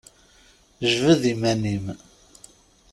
Jbed iman-im!